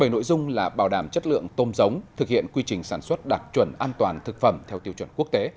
bảy nội dung là bảo đảm chất lượng tôm giống thực hiện quy trình sản xuất đặc chuẩn an toàn thực phẩm theo tiêu chuẩn quốc tế